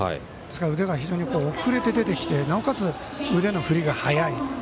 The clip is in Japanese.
腕が非常に遅れて出てきてなおかつ腕の振りが速い。